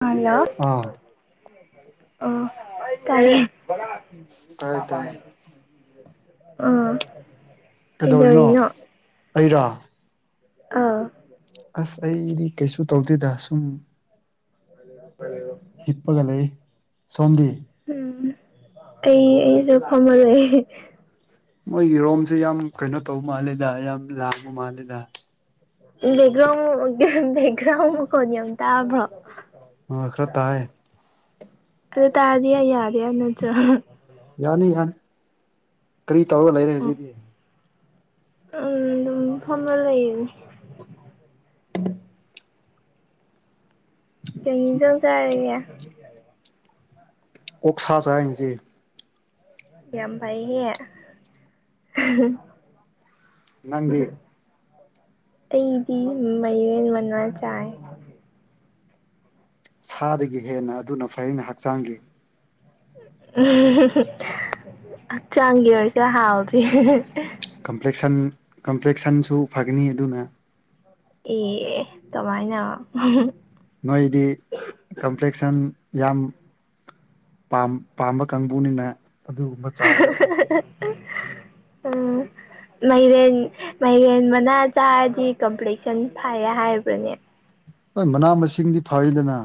hello ꯑꯥ ꯑꯣ ꯇꯥꯌꯦ ꯇꯥꯏ ꯇꯥꯏ [inaudible] ꯑꯥ ꯀꯩꯗꯧꯔꯤꯅꯣ ꯑꯩꯔꯣ ꯑꯥ ꯑꯁ ꯑꯩꯗꯤ ꯀꯩꯁꯨ ꯇꯧꯗꯦꯗ ꯁꯨꯝ [unintelligible] ꯍꯤꯞꯄꯒ ꯂꯩ ꯁꯣꯝꯗꯤ ꯎꯝ ꯑꯩ ꯑꯩꯁꯨ ꯐꯝꯃꯒ ꯂꯩꯌꯦ ꯃꯣꯏꯒꯤꯔꯣꯝꯁꯦ ꯌꯥꯝ ꯀꯩꯅꯣ ꯇꯧꯕ ꯃꯥꯜꯂꯤꯗ ꯌꯥꯝ ꯂꯥꯡꯕ ꯃꯥꯂꯦꯗ ꯕꯦꯛꯒ꯭ꯔꯥꯎꯟ ꯕꯦꯛꯒ꯭ꯔꯥꯎꯟ ꯃꯈꯣꯟ ꯌꯥꯝ ꯇꯥꯕ꯭ꯔꯣ ꯑꯥ ꯈꯔ ꯇꯥꯢꯌꯦ ꯑꯗꯨ ꯇꯥꯔꯗꯤ ꯑꯩ ꯌꯥꯒꯦ ꯌꯥꯏ ꯅꯠꯇꯔꯣ ꯌꯥꯅꯤ ꯌꯥꯅꯤ ꯀꯔꯤ ꯇꯧꯔꯒ ꯂꯩꯔꯦ ꯑꯣ ꯍꯧꯖꯤꯛꯇꯤ ꯎꯝ ꯑꯗꯨꯝ ꯐꯃ ꯂꯩ ꯀꯩ ꯏꯟꯁꯥꯡ ꯆꯔꯒꯦ ꯑꯣꯛꯁ ꯆꯥꯏ ꯉꯁꯤ ꯌꯥꯝ ꯐꯩꯌꯦ ꯅꯪꯗꯤ ꯑꯇꯩꯗꯤ ꯃꯌꯣꯟ ꯃꯅꯥ ꯆꯥꯏ ꯁꯥꯗꯒꯤ ꯍꯦꯟꯅ ꯑꯗꯨꯅ ꯐꯩꯅ ꯍꯛꯆꯥꯡꯒꯤ ꯎꯝ ꯍꯛꯆꯥꯡꯒꯤ ꯑꯣꯏꯔꯁꯨ ꯍꯥꯎꯗꯨꯏꯅꯤ ꯀꯝꯄ꯭ꯂꯦꯛꯁꯟ ꯀꯝꯄ꯭ꯂꯦꯛꯁꯟꯁꯨ ꯐꯒꯅꯤ ꯑꯗꯨꯅ ꯑꯦ ꯀꯃꯥꯏꯅ ꯅꯣꯏꯗꯤ ꯀꯝꯄ꯭ꯂꯦꯛꯁꯟ ꯌꯥꯝ ꯄꯥꯝꯕ ꯀꯥꯡꯕꯨꯅꯤꯅ ꯑꯗꯨꯒꯨꯝꯕ ꯆꯥꯒꯔꯦ ꯎꯝ ꯃꯥꯏꯔꯦꯟ ꯃꯔꯦꯟ ꯃꯅꯥ ꯆꯥꯔꯗꯤ ꯀꯝꯄ꯭ꯂꯦꯛꯁꯟ ꯐꯥꯏꯌꯦ ꯍꯥꯏꯕ꯭ꯔꯅꯦ ꯍꯣꯏ ꯃꯅꯥ ꯃꯁꯤꯡꯗꯤ ꯐꯔꯤꯗꯅ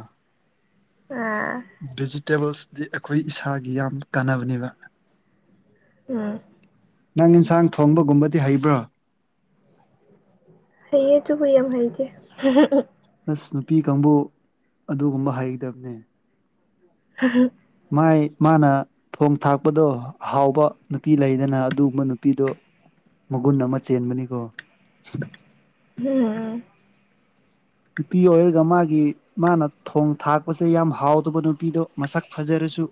ꯑꯥ ꯗꯤꯖꯤꯇꯦꯜꯁꯗꯤ ꯑꯩꯈꯣꯏ ꯏꯁꯥꯒꯤ ꯌꯥꯝ ꯀꯥꯟꯅꯕꯅꯦꯕ ꯑꯝ ꯅꯪ ꯏꯟꯁꯥꯡ ꯊꯣꯡꯕꯒꯨꯝꯕꯗꯤ ꯍꯩꯕ꯭ꯔꯣ ꯍꯩꯌꯦ ꯑꯗꯨꯕꯨ ꯌꯥꯝ ꯍꯩꯒꯦ ꯑꯁ ꯅꯨꯄꯤ ꯀꯥꯡꯕꯨ ꯑꯗꯨꯒꯨꯝꯕ ꯍꯩꯗꯕꯅꯦ ꯑꯗꯨ ꯃꯥꯏ ꯃꯥꯅ ꯊꯣꯡ ꯊꯥꯛꯄꯗꯣ ꯍꯥꯎꯕ ꯅꯨꯄꯤ ꯂꯩꯗꯅ ꯑꯗꯨꯒꯨꯝꯕ ꯅꯨꯄꯤꯗꯣ ꯃꯒꯨꯟ ꯑꯃ ꯆꯦꯟꯕꯅꯤꯀꯣ [inaudible] ꯅꯨꯄꯤ ꯑꯣꯏꯔꯒ ꯃꯥꯒꯤ ꯃꯥꯅ ꯊꯣꯡ ꯊꯥꯛꯄꯁꯦ ꯌꯥꯝ ꯍꯥꯎꯗꯕ ꯅꯨꯄꯤꯗꯣ ꯃꯁꯛ ꯐꯖꯔꯁꯨ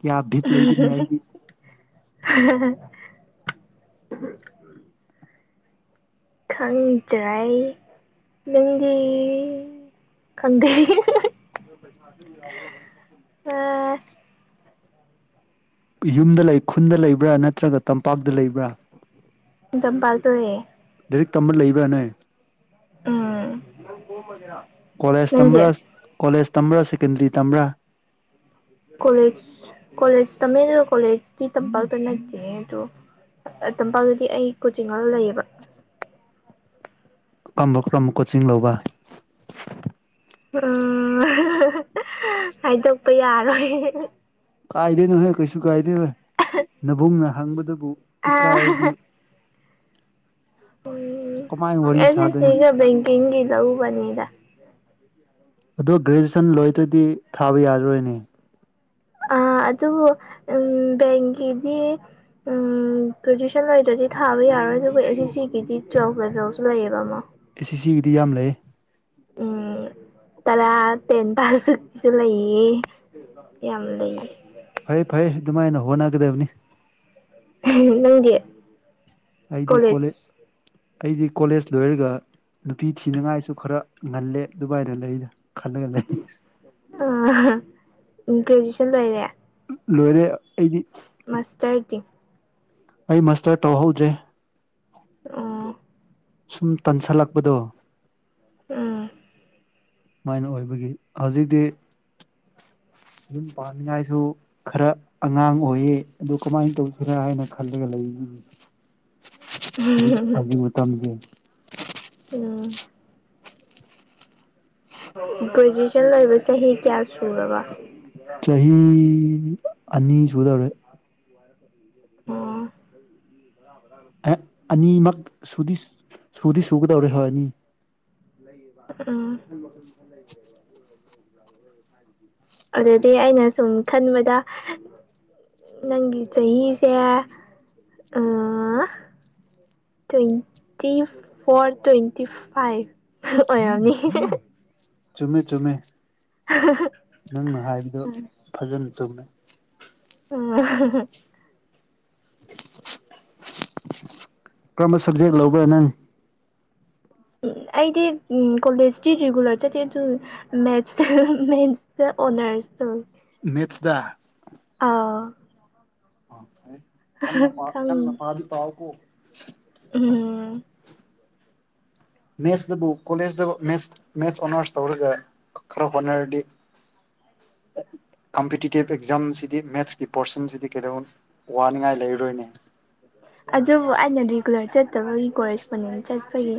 ꯀꯌꯥ ꯕꯤꯠ ꯂꯩꯗꯨꯅꯦ ꯑꯩꯗꯤ ꯈꯪꯗ꯭ꯔꯥꯏ ꯅꯪꯗꯤ ꯈꯪꯗꯦ [unintelligible] ꯑ ꯌꯨꯝꯗ ꯂꯩ ꯈꯨꯟꯗ ꯂꯩꯕ꯭ꯔꯥ ꯅꯠꯇ꯭ꯔꯒ ꯇꯝꯄꯥꯛꯇ ꯂꯩꯕ꯭ꯔꯥ ꯆꯝꯄꯥꯜ ꯇꯌꯦ [unintelligible] ꯂꯥꯏꯔꯤꯛ ꯇꯝꯃ ꯂꯩꯕ꯭ꯔꯥ ꯅꯦ ꯎꯝ ꯀꯣꯂꯦꯖ ꯅꯪꯗꯤ ꯇꯝꯕ꯭ꯔꯥ ꯀꯣꯂꯦꯖ ꯇꯝꯕ꯭ꯔꯥ ꯁꯦꯀꯦꯟꯗꯔꯤ ꯇꯝꯕ꯭ꯔꯥ ꯀꯣꯂꯦꯖ ꯀꯣꯂꯦꯖꯇ ꯃꯤꯅ ꯃꯦꯔꯤꯕ ꯀꯣꯂꯦꯖꯀꯤ ꯇꯝꯄꯥꯛꯇ ꯅ [unintelligible] ꯇꯝꯄꯥꯛꯗꯗꯤ ꯑꯩ ꯀꯣꯆꯤꯡ ꯑꯃ ꯂꯩꯌꯦꯕ ꯀꯔꯝꯕ ꯀꯔꯝꯕ ꯀꯣꯆꯤꯡ ꯂꯧꯕ ꯎꯝ ꯍꯥꯏꯗꯣꯛꯄ ꯌꯥꯔꯣꯏ ꯀꯥꯏꯗꯩꯅꯣꯍꯦ ꯀꯩꯁꯨ ꯀꯥꯏꯗꯦ ꯕ ꯅꯕꯨꯡꯅ ꯍꯪꯕꯗꯨꯕꯨ ꯑ ꯏꯀꯥꯏꯔꯗꯤ ꯎꯝ ꯀꯃꯥꯏꯅ ꯋꯥꯔꯤ ꯑꯩꯁ ꯁꯥꯗꯣꯏꯅꯣ ꯁꯤꯒ ꯕꯦꯡꯀꯤꯡꯒꯤ ꯂꯧꯕꯅꯤꯗ [unintelligible] ꯑꯗꯣ ꯒ꯭ꯔꯦꯖꯨꯌꯦꯁꯟ ꯂꯣꯏꯗꯣꯏꯗꯤ ꯊꯥꯕ ꯌꯥꯔꯔꯣꯏꯅꯦ ꯑ ꯑꯗꯨꯕꯨ ꯎꯝ ꯕꯦꯡꯀꯤꯗꯤ ꯎꯝ ꯄ꯭ꯔꯖꯤꯁꯟ ꯂꯩꯇꯔꯥꯗꯤ ꯊꯥꯕ ꯌꯥꯔꯣꯏ ꯑꯗꯨꯒ ꯑꯦꯟ ꯁꯤ ꯁꯤꯒꯤꯗꯤ ꯇꯨꯋꯦꯜꯐ ꯂꯦꯕꯦꯜꯁꯨ ꯂꯩꯌꯦꯕ ꯑꯃ ꯑꯦꯁ ꯁꯤ ꯁꯤꯒꯤꯗꯤ ꯌꯥꯝ ꯂꯩ ꯎꯝ ꯇꯔꯥ ꯇꯦꯟ ꯇꯥꯀꯤꯁꯨ ꯂꯩꯌꯦ ꯌꯥꯝ ꯂꯩꯌꯦ ꯐꯩ ꯐꯩ ꯑꯗꯨꯃꯥꯏꯅ ꯍꯣꯠꯅꯒꯗꯕꯅꯤ ꯅꯪꯗꯤ ꯑꯩꯗꯤ ꯀꯣꯂꯦꯖ ꯀꯣꯂꯦ ꯑꯩꯗꯤ ꯀꯣꯂꯦꯖ ꯂꯣꯏꯔꯒ ꯅꯨꯄꯤ ꯊꯤꯅꯉꯥꯏꯁꯨ ꯈꯔ ꯉꯜꯂꯦ ꯗꯨꯕꯥꯏꯗ ꯂꯩꯅ ꯈꯜꯂꯒ ꯂꯩ ꯒ꯭ꯔꯦꯖꯨꯌꯦꯦꯁꯟ ꯂꯩꯔꯦ ꯂꯣꯏꯔꯦ ꯑꯩꯗꯤ ꯃꯥꯁꯇ꯭ꯔꯗꯤ ꯑꯩ ꯃꯁꯇꯔ ꯇꯧꯍꯧꯗ꯭ꯔꯦ ꯑ ꯁꯨꯝ ꯇꯟꯁꯜꯂꯛꯄꯗꯣ ꯑꯥ ꯁꯨꯃꯥꯏꯅ ꯑꯣꯏꯕꯒꯤ ꯍꯧꯖꯤꯛꯇꯤ ꯌꯨꯝ ꯄꯥꯃꯤꯉꯥꯏꯁꯨ ꯈꯔ ꯑꯉꯥꯡ ꯑꯣꯏꯌꯦ ꯑꯗꯨꯣ ꯀꯃꯥꯏꯅ ꯇꯧꯁꯤꯔꯥ ꯍꯥꯏꯅ ꯈꯜꯂꯒ ꯂꯩ ꯍꯧꯖꯤꯛ ꯃꯇꯝꯁ ꯑꯗꯨꯣ ꯒ꯭ꯔꯦꯖꯨꯋꯦꯁꯟ ꯂꯣꯏꯕ ꯆꯍꯤ ꯀꯌꯥ ꯁꯨꯔꯕ ꯆꯍꯤ ꯑꯅꯤ ꯁꯨꯗꯧꯔꯦ ꯑꯣ ꯑꯅꯤꯃꯛ ꯁꯨꯗꯤ ꯁꯨꯗꯤ ꯁꯨꯒꯗꯧꯔꯦ ꯍꯣꯏ ꯑꯅꯤ ꯂꯩ ꯎ ꯐ ꯑꯗꯨꯗꯤ ꯑꯩꯅ ꯁꯨꯝ ꯈꯟꯕꯗ ꯅꯪꯒꯤ ꯆꯍꯤꯁꯦ ꯑ ꯇ꯭ꯋꯦꯟꯇꯤ ꯐꯣꯔ ꯇ꯭ꯋꯦꯟꯇꯤ ꯐꯥꯏꯚ ꯑꯣꯏꯔꯝꯅꯤ ꯆꯨꯝꯃꯦ ꯆꯨꯝꯃꯦ [inaudible] ꯅꯪꯅ ꯍꯥꯏꯕꯗꯣ ꯎꯝ ꯐꯖꯅ ꯆꯨꯝꯃꯦꯩ ꯎꯝ [unintelligible] ꯀꯔꯝꯕ ꯁꯕꯖꯦꯛ ꯂꯧꯕꯒꯦ ꯅꯪ ꯎ ꯑꯗꯤ ꯀꯣꯂꯦꯖꯗꯤ ꯔꯦꯒꯨꯂꯔ ꯆꯠꯇꯦ ꯃꯦꯠꯁ ꯇꯥ ꯑꯣꯅꯔꯁ ꯇꯧꯏ ꯃꯦꯊꯗꯥ ꯑꯧ ꯐꯦ ꯀꯟꯅ ꯄ ꯈꯪ ꯀꯟꯅ ꯄꯥꯗꯤ ꯄꯥꯎꯀꯣ ꯎꯝ ꯃꯦꯠꯁꯇꯕꯨ ꯀꯣꯂꯦꯖꯇꯦ ꯃꯦꯠꯁ ꯑꯣꯅꯔꯁ ꯇꯧꯔꯒ ꯈꯔ ꯍꯣꯠꯅꯔꯗꯤ ꯀꯝꯄꯤꯇꯤꯇꯤꯞ ꯑꯦꯛꯖꯥꯝꯁꯤꯗꯤ ꯃꯦꯠꯁꯀꯤ ꯄꯣꯔꯁꯟꯁꯤꯗꯤ ꯀꯩꯗꯧ ꯋꯥꯅꯤꯡꯉꯥꯏ ꯂꯩꯔꯔꯣꯏꯅꯦ ꯑꯗꯨꯕꯨ ꯑꯩꯅ ꯔꯤꯒꯨꯂꯔ ꯆꯠꯇꯕꯒꯤ ꯀꯣꯔꯦꯁꯄꯣꯟꯗꯦꯟ ꯆꯠꯄꯒꯤ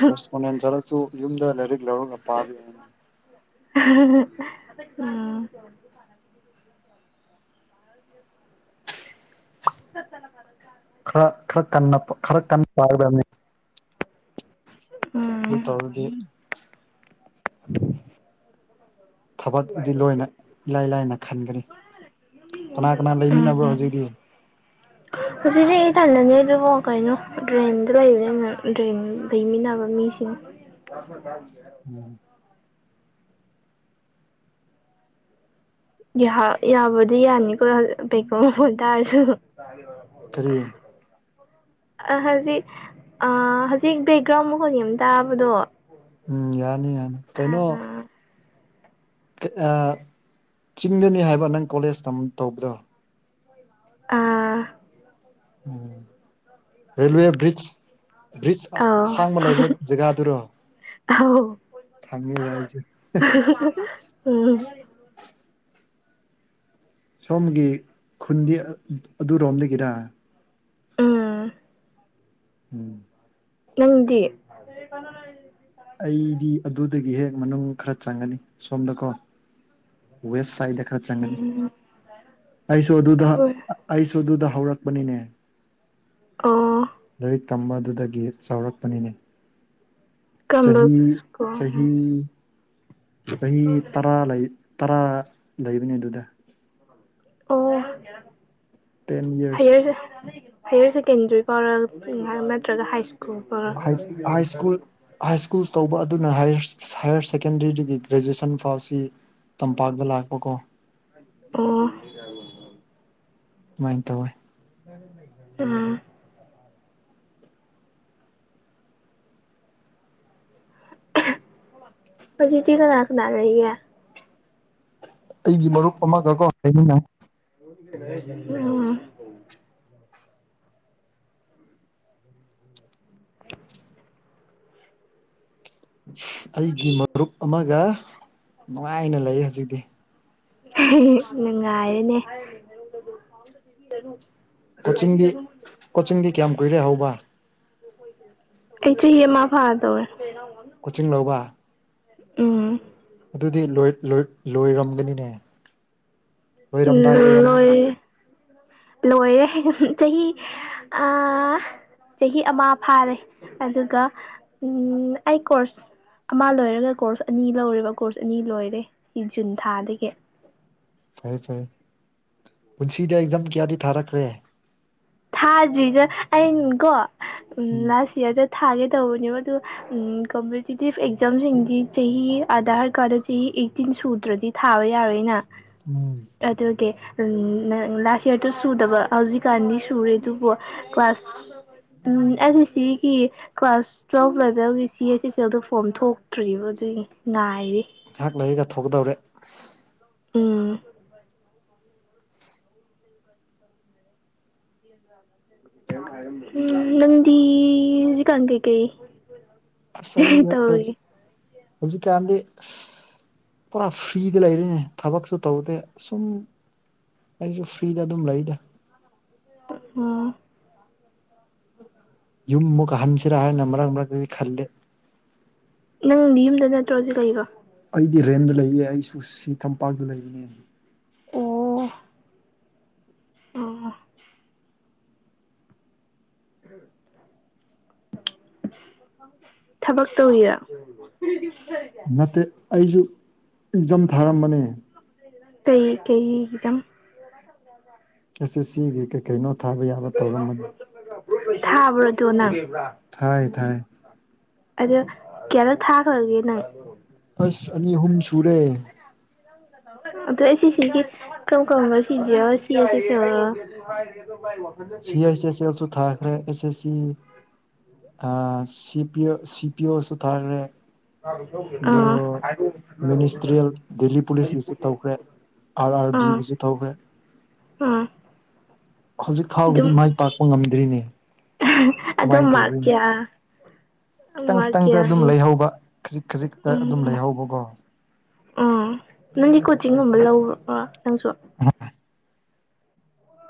ꯐ ꯃꯅꯦ ꯆꯔꯛꯁꯨ ꯌꯨꯝꯗ ꯂꯥꯏꯔꯤꯛ ꯂꯧꯔꯒ ꯄꯥꯕꯤ ꯎꯝ [unintelligible] ꯎꯝ [inaudible] [inaudible] ꯈꯔ ꯈꯔ ꯀꯟꯅ ꯈꯔ ꯀꯟꯅ ꯄꯥꯔꯗꯕꯅꯤ ꯎꯝ ꯑꯗꯨ ꯇꯧꯗꯤ [unintelligible] ꯎꯝ [unintelligible] ꯊꯕꯛꯗꯤ ꯂꯣꯏꯅ ꯏꯂꯥꯏ ꯂꯥꯏꯅ ꯈꯟꯒꯅꯤ ꯀꯅꯥ ꯀꯅꯥ ꯂꯩꯃꯤꯟꯅꯕ꯭ꯔꯣ ꯍꯧꯖꯤꯛꯇꯤ ꯎ [unintelligible] ꯍꯧꯖꯤꯛꯁꯦ ꯑꯩ ꯇꯅꯅꯤ ꯑꯗꯨꯕꯨ ꯀꯩꯅꯣ ꯗ꯭ꯔꯦꯟꯗꯣ ꯂꯩꯕ ꯗ꯭ꯔꯦꯟ ꯂꯩꯃꯤꯟꯅꯕ ꯃꯤꯁ ꯎ ꯎꯝ [unintelligible] ꯌꯥꯕꯨꯗꯤ ꯌꯥꯅꯤꯀꯣ ꯄꯩꯀꯣ ꯃꯃꯣꯟ ꯇꯥꯔꯁꯨ ꯐꯔꯤ ꯑ ꯍꯧꯖꯤꯛ ꯍꯧꯖꯤꯛ ꯕꯦꯛꯒ꯭ꯔꯥꯎꯟ ꯃꯈꯣꯏꯒꯤ ꯑꯃ ꯇꯥꯕꯗꯣ ꯎꯝ ꯌꯥꯅꯤ ꯌꯥꯅꯤ ꯀꯩꯅꯣ ꯑꯥ ꯆꯤꯡꯗꯅꯤ ꯍꯥꯏꯕ ꯅꯪ ꯀꯣꯂꯦꯖ ꯇꯧꯕꯗꯣ ꯑꯥ ꯎꯝ ꯔꯥꯏꯜꯋꯦꯏ [unintelligible] ꯕ꯭ꯔꯤꯖꯁ ꯑꯥꯎ ꯑꯁꯥꯡꯕ ꯂꯩꯕ ꯖꯒꯥꯗꯨꯔꯣ ꯑꯥꯎ ꯈꯪꯉꯕ ꯑꯩꯁꯦ ꯎꯝ ꯁꯣꯝꯒꯤ ꯈꯨꯟꯗꯤ ꯑꯗꯨꯔꯣꯝꯗꯒꯤꯔ ꯎꯥ [unintelligible] ꯎꯝ ꯅꯪꯗꯤ ꯑꯩꯗꯤ ꯑꯗꯨꯗꯒꯤ ꯍꯦꯛ ꯃꯅꯨꯡ ꯈꯔ ꯆꯪꯒꯅꯤ ꯁꯣꯝꯗꯀꯣ ꯁꯥꯏꯗ ꯈꯔ ꯆꯪꯒꯅꯤ ꯎꯝ ꯑꯩꯁꯨ ꯑꯗꯨꯗ ꯑꯩꯈꯣꯏ ꯑꯩꯁꯨ ꯑꯗꯨꯗ ꯍꯧꯔꯛꯄꯅꯤꯅꯦ ꯑꯣ [unintelligible] ꯂꯥꯏꯔꯤꯛ ꯇꯝꯕ ꯑꯗꯨꯗꯒꯤ ꯆꯥꯎꯔꯛꯄꯅꯤꯅꯦ ꯀꯝꯕ ꯆꯍꯤ ꯁ꯭ꯀꯨꯜ ꯆꯍꯤ ꯆꯍꯤ ꯇꯔꯥ ꯂꯩ ꯇꯔꯥ ꯂꯩꯕꯅꯤ ꯑꯗꯨꯗ ꯑꯣ ꯇꯦꯟ ꯍꯥꯏꯦꯁ ꯌꯔꯁ ꯍꯥꯌꯌꯔ ꯁꯦꯀꯦꯟꯗ꯭ꯔꯤ ꯐꯥꯎꯔꯛ ꯅꯠꯇ꯭ꯔꯒ ꯍꯥꯏ ꯁ꯭ꯀꯨꯜ ꯐꯧꯔꯛ ꯍꯥꯏ ꯁ꯭ꯀꯨꯜ ꯍꯥꯏ ꯁ꯭ꯀꯨꯜꯁ ꯇꯧꯕ ꯑꯗꯨꯅ ꯍꯥꯌꯔ ꯁꯦꯀꯦꯟꯗꯔꯤꯗꯒꯤ ꯒ꯭ꯔꯦꯖꯨꯑꯦꯁꯟ ꯐꯥꯎꯕꯁꯤ ꯇꯝꯄꯥꯛꯇ ꯂꯥꯛꯄꯀꯣ ꯑꯣ ꯁꯨꯃꯥꯏꯅ ꯇꯧꯋꯦ [unintelligible] ꯑꯗꯨꯗꯤ ꯀꯅꯥ ꯀꯅꯥ ꯂꯩꯔꯤꯒꯦ ꯑꯩꯒꯤ ꯃꯔꯨꯞ ꯑꯃꯒꯀꯣ ꯍꯥꯏꯃꯤꯅ ꯑ ꯑꯩꯒꯤ ꯃꯔꯨꯞ ꯑꯃꯒ ꯅꯨꯡꯉꯥꯏꯅ ꯂꯩ ꯍꯧꯖꯤꯛꯇꯤ ꯅꯨꯡꯉꯥꯏꯔꯦꯅꯦ ꯀꯣꯆꯤꯡꯗꯤ ꯀꯣꯆꯤꯡꯗꯤ ꯀꯌꯥꯝ ꯀꯨꯏꯔꯦ ꯍꯧꯕ ꯑꯩꯁꯨ ꯍꯤꯃꯥ ꯐꯥꯗ ꯑꯣꯏ ꯀꯣꯆꯤꯡ ꯂꯧꯕ ꯑ ꯑꯗꯨꯗꯤ ꯂꯣꯏꯔꯝꯒꯅꯤꯅꯦ ꯎꯝ ꯂꯣꯏꯔꯝꯗꯥꯏ ꯑꯣꯏꯔꯝꯅꯤꯅꯦ ꯂꯣꯏꯔꯦ ꯂꯣꯏꯔꯦ ꯆꯍꯤ ꯑꯥ ꯆꯍꯤ ꯑꯃ ꯐꯥꯔꯦ ꯑꯗꯨꯒ ꯑꯩ ꯀꯣꯔꯁ ꯑꯃ ꯂꯣꯏꯔꯒ ꯀꯣꯔꯁ ꯑꯅꯤ ꯂꯧꯔꯤꯕ ꯀꯣꯔꯁ ꯑꯅꯤ ꯂꯣꯏꯔꯦ ꯖꯨꯟ ꯊꯥꯗꯒꯤ ꯐꯔꯦ ꯐꯔꯦ ꯄꯨꯟꯁꯤꯗ ꯑꯦꯛꯖꯝ ꯀꯌꯥꯗꯤ ꯊꯥꯔꯛꯈ꯭ꯔꯦ ꯊꯥꯗ꯭ꯔꯤꯗ ꯑꯩꯅ ꯀꯣ ꯎꯝ ꯂꯥꯁ ꯏꯌꯥꯔꯗ ꯊꯥꯒꯦ ꯇꯧꯕꯅꯦꯕ ꯑꯗꯨ ꯎꯝ ꯀꯝꯄꯤꯇꯤꯇꯤꯚ ꯑꯦꯛꯖꯥꯝꯁꯤꯡꯗꯤ ꯆꯍꯤ ꯑꯙꯥꯔ ꯀꯥꯔꯗ ꯆꯍꯤ ꯑꯩꯠꯇꯤꯟ ꯁꯨꯗ꯭ꯔꯗꯤ ꯊꯥꯕ ꯌꯥꯔꯣꯏꯅ ꯎꯝ [unintelligible] ꯑꯗꯨꯀꯦ ꯂꯥꯁ ꯌꯔꯗꯣ ꯁꯨꯗꯕ ꯍꯧꯖꯤꯛꯀꯥꯟꯗꯤ ꯨꯔꯦ ꯑꯗꯨꯕꯨ ꯀ꯭ꯂꯥꯁ ꯎꯝ ꯑꯁꯤꯁꯤꯒꯤ ꯀ꯭ꯂꯥꯁ ꯇꯨꯌꯦꯜꯐ ꯂꯦꯚꯦꯜꯒꯤ ꯁꯤ ꯑꯦꯁ ꯁꯤ ꯑꯦꯜꯗ ꯐꯣꯔꯝ ꯊꯣꯛꯇ꯭ꯔꯤꯕ ꯑꯗꯨꯒꯤ ꯉꯥꯏꯔꯤ ꯉꯥꯏꯍꯥꯛ ꯂꯩꯔꯒ ꯊꯣꯛꯀꯗꯧꯔꯦ ꯎꯝ [inaudible] ꯂꯪꯗꯤꯖꯤ ꯀ ꯀ ꯀꯩ ꯁꯩ ꯍꯧꯖꯤꯛ ꯍꯧꯖꯤꯛ ꯀꯥꯟꯗ ꯄꯨꯔꯥ ꯐ꯭ꯔꯤꯗ ꯂꯩꯔꯤꯅꯦ ꯊꯕꯛꯁꯨ ꯇꯧꯗꯦ ꯁꯨꯝ ꯑꯩꯁꯨ ꯐ꯭ꯔꯤꯗ ꯑꯗꯨꯝ ꯂꯩꯗ ꯎꯝ ꯌꯨꯝ ꯃꯨꯛ ꯍꯟꯁꯤꯔꯥ ꯍꯥꯏꯅ ꯃꯔꯛ ꯃꯔꯛꯇꯗꯤ ꯈꯜꯜꯂꯤꯦ ꯅꯪꯗꯤ ꯌꯨꯝꯗ ꯅꯠꯇ꯭ꯔꯣꯁꯤ ꯀꯩꯀꯣ ꯑꯩꯗꯤ ꯔꯦꯟꯗ ꯂꯩꯌꯦ ꯑꯩꯁꯨ ꯁꯤ ꯇꯝꯄꯥꯛꯇ ꯂꯩꯔꯤꯌꯦ ꯑꯣ ꯑꯣ ꯎꯝ ꯊꯕꯛ ꯇ ꯍꯔ ꯄꯨꯗꯤꯔꯦ ꯅꯠꯇꯦ ꯑꯩꯁꯨ ꯑꯦꯛꯖꯥꯝ ꯊꯥꯔꯝꯕꯅꯦ ꯀꯩ ꯀꯩꯗꯝ ꯑꯦꯁ ꯁꯦꯁ ꯁꯤꯒꯤ ꯀꯩ ꯀꯩꯅꯣ ꯊꯥꯕ ꯌꯥꯕ ꯇꯧꯔꯝꯃꯅꯤ ꯊꯥꯕ꯭ꯔꯗꯅ ꯊꯥꯏ ꯊꯥꯏ ꯑꯗ ꯀꯌꯥꯔꯛ ꯊꯥꯈ꯭ꯔꯒꯦ ꯅꯪ ꯑꯁ ꯑꯅꯤ ꯑꯍꯨꯝ ꯁꯨꯔꯦ ꯁꯤ ꯍꯒ ꯇꯣ ꯑꯗꯣ ꯑꯦꯁ ꯑꯦꯁꯤꯒꯤ ꯀꯔꯝ ꯀꯔꯝꯕ ꯁꯤ ꯖꯤ ꯌꯦꯜ ꯁꯤ ꯁꯤ ꯑꯁ ꯑꯦꯁ ꯑꯦꯜꯁꯨ ꯊꯥꯛ ꯑꯦꯁ ꯑꯦꯁ ꯁꯤ ꯑ ꯁꯤ ꯄꯤ ꯑꯣ ꯁꯤꯄꯤ ꯑꯣ ꯊꯥꯔꯦ ꯑꯥ ꯑꯣ ꯃꯤꯅꯤꯁꯇꯔꯤꯌꯦꯜ ꯗꯦꯜꯂꯤ ꯄꯨꯂꯤꯁꯀꯤꯁꯨ ꯇꯧꯈ꯭ꯔꯦ ꯑꯥꯔ ꯑꯥꯔ ꯑꯥ ꯕꯤꯒꯤꯁꯨ ꯇꯧꯈ꯭ꯔꯦ ꯑꯥ ꯍꯧꯖꯤꯛ ꯐꯥꯎꯒꯤꯗꯤ ꯃꯥꯏ ꯄꯥꯛꯄ ꯉꯝꯗ꯭ꯔꯤꯅꯦ ꯑꯗꯣ ꯀꯃꯥꯏꯅ ꯃꯥꯛ ꯇꯧꯗꯣꯏꯅꯣ ꯀꯌꯥ ꯈꯤꯇꯪ ꯃꯥꯔꯛ ꯈꯤꯇꯪꯗ ꯑꯗꯨꯝ ꯀꯌꯥꯃꯨꯛ ꯂꯩꯍꯧꯕ ꯈꯖꯤꯛ ꯈꯖꯤꯛꯇ ꯑꯗꯨꯝ ꯂꯩꯍꯧꯕꯀꯣ ꯎꯝ ꯅꯪꯒꯤ ꯀꯣꯆꯤꯡꯒꯨꯝꯕ ꯂꯧ ꯅꯪꯁꯨ ꯍ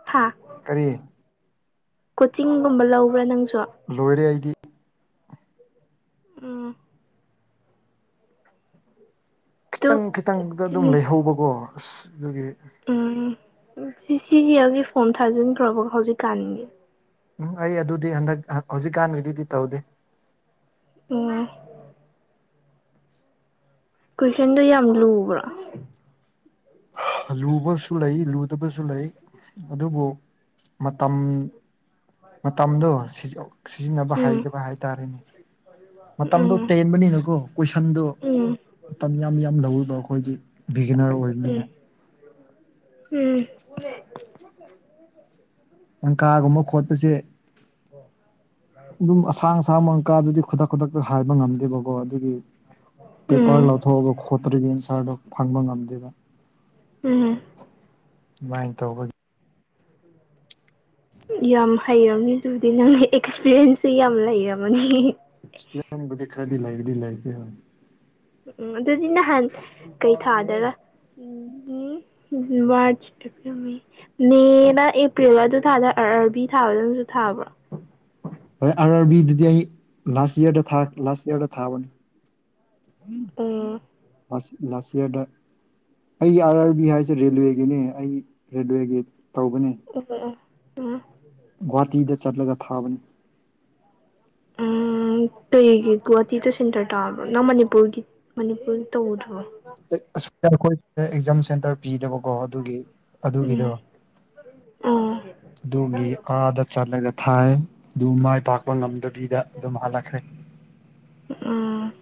ꯊꯥ ꯀꯔꯤ ꯀꯣꯆꯤꯡꯒꯨꯝꯕ ꯂꯧꯕ꯭ꯔꯥ ꯅꯪꯁꯨ ꯂꯣꯏꯔꯦ ꯍꯥꯏꯗꯤ ꯎꯝ ꯑꯗꯨ ꯈꯤꯇꯪ ꯈꯤꯇꯪꯗ ꯑꯗꯨꯝ ꯂꯩꯍꯧꯕꯀꯣ ꯑꯁ ꯑꯗꯨꯒꯤ ꯎꯝ ꯁꯤ ꯁꯤꯒꯤ ꯑꯩꯒꯤ ꯐꯣꯝ ꯊꯥꯖꯤꯟꯈ꯭ꯔꯕ ꯍꯧꯖꯤꯛꯀꯥꯟꯒꯤ ꯎꯝ ꯑꯩ ꯑꯗꯨꯗꯤ ꯍꯟꯗꯛ ꯍꯧꯖꯤꯛꯀꯥꯟꯒꯤꯗꯤꯗꯤ ꯇꯧꯗꯦ ꯑꯣ ꯀꯨꯣꯏꯁꯟꯗꯨꯣ ꯌꯥꯝ ꯂꯨꯕ꯭ꯔꯥ ꯂꯨꯕꯁꯨ ꯂꯩ ꯂꯨꯗꯕꯁꯨ ꯂꯩ ꯑꯗꯨꯕꯨ ꯃꯇꯝ ꯃꯇꯝꯗꯣ ꯁꯤꯖꯤꯟꯅꯕ ꯎꯝ ꯍꯩꯗꯕ ꯍꯥꯏꯇꯥꯔꯦꯅꯦ ꯃꯇꯝꯗꯣ ꯎꯝ ꯇꯦꯟꯕꯅꯤꯅꯀꯣ ꯀꯣꯏꯁꯟꯗꯨ ꯎꯝ ꯌꯥꯝ ꯌꯥꯝ ꯂꯧꯔꯤꯕ ꯑꯩꯈꯣꯏꯒꯤ ꯕꯤꯒꯤꯅꯔ ꯎꯝ ꯑꯣꯏꯕꯅꯤꯅ ꯎꯝ ꯀꯪꯀꯥꯒꯨꯝꯕ ꯈꯣꯠꯄꯁꯦ ꯑꯗꯨꯝ ꯑꯁꯥꯡ ꯑꯁꯥꯡ ꯃꯪꯀꯥꯗꯨꯗꯤ ꯈꯨꯗꯛ ꯈꯨꯗꯛꯇ ꯍꯥꯏꯕ ꯉꯝꯗꯦꯕꯀꯣ ꯑꯗꯨꯒꯤ ꯄꯦꯄꯔ ꯎꯝ ꯂꯧꯊꯣꯛꯑꯒ ꯈꯣꯠꯇ꯭ꯔꯤꯒꯤ ꯑꯟꯁꯥꯔꯗꯣ ꯐꯪꯕ ꯉꯝꯗꯦꯕ ꯎꯝ ꯗꯨꯃꯥꯏ ꯇꯧꯕꯒꯤ ꯌꯥꯝ ꯍꯩꯔꯝꯅꯤ ꯑꯗꯨꯗꯤ ꯅꯪꯒꯤ ꯑꯦꯛꯁꯄꯤꯔꯤꯌꯦꯟꯁꯁꯦ ꯌꯥꯝ ꯂꯩꯔꯝꯅꯤ ꯏꯁꯗꯤ ꯈꯔꯗꯤ ꯂꯥꯏꯗꯤ ꯂꯥꯏ ꯎꯝ ꯑꯗꯨꯗꯤ ꯅꯍꯥꯟ ꯀꯩ ꯊꯥꯗꯔ ꯎꯝ ꯃꯥꯔꯆ ꯃꯦꯅ ꯑꯦꯄ꯭ꯔꯤꯜ ꯑꯗꯨ ꯊꯥꯗ꯭ꯔ ꯑꯔꯥꯕꯤ ꯊꯥꯕꯗꯅꯁꯨ ꯊꯥꯕ꯭ꯔꯣ ꯍ ꯑꯥꯔ ꯑꯥꯔ ꯕꯤꯗꯨꯗꯤ ꯑꯩ ꯂꯥꯁ ꯏꯔꯗ ꯂꯥꯁ ꯏꯔꯗ ꯊꯥꯕꯅꯤ ꯑ ꯂꯁꯤꯗ ꯑꯩꯒꯤ ꯑꯥꯔ ꯑꯥꯔ ꯕꯤ ꯍꯥꯏꯁꯦ ꯔꯦꯜꯋꯦꯒꯤꯅꯤ ꯑꯩ ꯔꯦꯜꯋꯦꯒꯤ ꯇꯧꯕꯅꯤ ꯎꯝ ꯎꯝ ꯒꯨꯍꯥꯇꯤꯗ ꯆꯠꯂꯒ ꯊꯥꯕꯅꯤ ꯎꯝ ꯀꯩꯒꯤꯒꯨꯋꯥꯍꯇꯤ ꯇ ꯁꯦꯟꯇꯔ ꯇꯥꯕ‍꯭ꯔꯣ ꯅꯪ ꯃꯅꯤꯄꯨꯔꯒꯤ ꯃꯅꯤꯄꯨꯔꯗ ꯇꯧꯗ꯭ꯔꯣ ꯑꯩꯈꯣꯏ ꯑꯦꯛꯖꯥꯝ ꯁꯦꯟꯇꯔ ꯄꯤꯗꯕꯀꯣ ꯑꯗꯨꯒꯤ ꯑꯗꯨꯒꯤꯗꯣ ꯎꯝ ꯑꯣ ꯑꯗꯨꯒꯤ ꯑꯥꯗ ꯆꯜꯂꯒ ꯊꯥꯏ ꯑꯗꯨ ꯃꯥꯏ ꯄꯥꯛꯄ ꯉꯝꯗꯕꯤꯗ ꯑꯗꯨꯝ ꯍꯜꯂꯛꯈ꯭ꯔꯦ ꯎꯝ